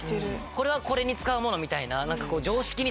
これはこれに使うもの！みたいな。